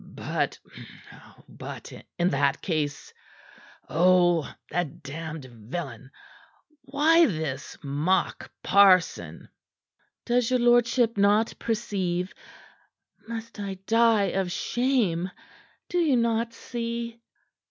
"But but in that case Oh, the damned villain! why this mock parson?" "Does your lordship not perceive? Must I die of shame? Do you not see?"